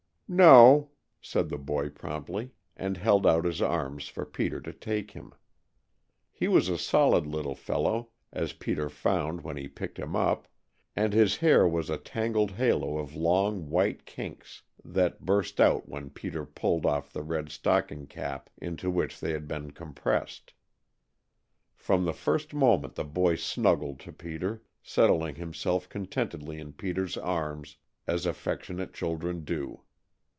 "No," said the boy promptly, and held out his arms for Peter to take him. He was a solid little fellow, as Peter found when he picked him up, and his hair was a tangled halo of long, white kinks that burst out when Peter pulled off the red stocking cap into which they had been compressed. From the first moment the boy snuggled to Peter, settling himself contentedly in Peter's arms as affectionate children do.